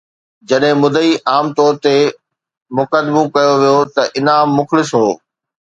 جڏهن مدعي عام طور تي مقدمو ڪيو ويو ته انعام مخلص هو